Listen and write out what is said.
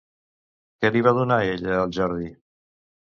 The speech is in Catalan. Què li va donar ella al Jordi?